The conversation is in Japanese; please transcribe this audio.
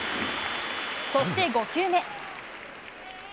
そして５球目。